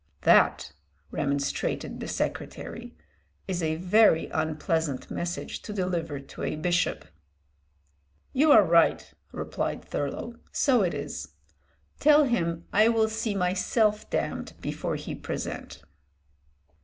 "That," remonstrated the secretary, "is a very unpleasant message to deliver to a bishop." "You are right," replied Thurlow, "so it is. Tell him I will see myself damned before he present."